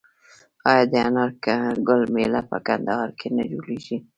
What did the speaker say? آیا د انار ګل میله په کندهار کې نه جوړیږي؟